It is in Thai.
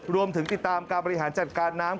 รวมถึงติดตามการประหละหินจัดการน้ำ